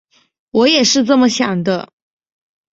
我也是这么想的